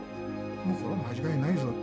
これは間違いないぞと。